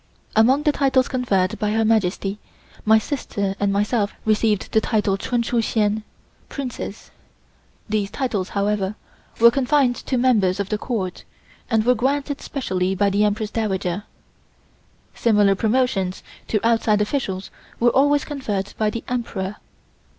Among the titles conferred by Her Majesty, my sister and myself received the title of Chun Chu Hsien (Princess). These titles, however, were confined to members of the Court, and were granted specially by the Empress Dowager. Similar promotions to outside officials were always conferred by the Emperor.